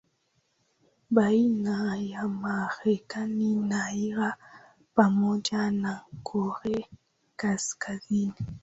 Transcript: baina ya Marekani na Iran pamoja na Korea kaskazini